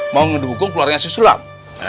mau ngedukung keluarga haji sulam